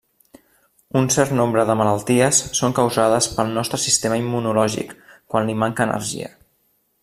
Un cert nombre de malalties són causades pel nostre sistema immunològic quan li manca energia.